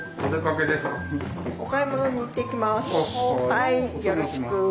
はいよろしく。